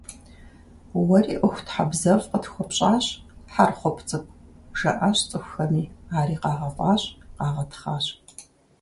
«Уэри ӀуэхутхьэбзэфӀ къытхуэпщӀащ, Хьэрхъуп цӀыкӀу», - жаӀащ цӀыхухэми, ари къагъэфӀащ, къагъэтхъащ.